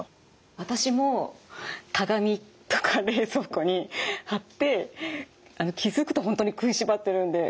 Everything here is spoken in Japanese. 私も鏡とか冷蔵庫に貼って気付くと本当に食いしばってるんで離すようにしてるんです。